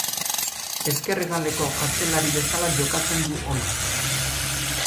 Ezker hegaleko atzelari bezala jokatzen du ohi.